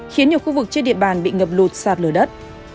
khiến nhiều khu vực trên địa bàn bị ngập lụt sạt lở đất